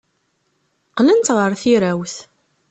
Qqlent ɣer tirawt.